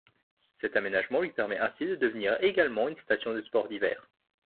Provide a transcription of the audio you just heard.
Cet aménagement lui permet ainsi de devenir également une station de sports d'hiver.